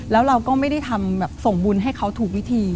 แล้วเราก็ไม่ได้ทำแบบส่งบุญให้เขาถูกวิธี